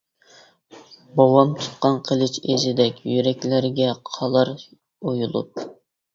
بوۋام تۇتقان قىلىچ ئىزىدەك يۈرەكلەرگە قالار ئويۇلۇپ.